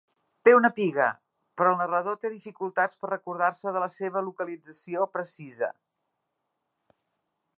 Té una piga, però el narrador té dificultats per recordar-se de la seva localització precisa.